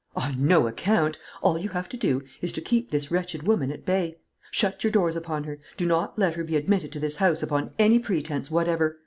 "On no account. All you have to do is to keep this wretched woman at bay. Shut your doors upon her. Do not let her be admitted to this house upon any pretence whatever.